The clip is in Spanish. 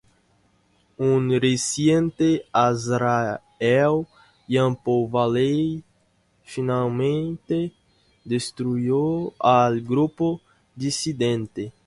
Un reciente Azrael, Jean-Paul Valley, finalmente destruyó al grupo disidente.